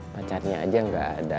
pacarnya aja gak ada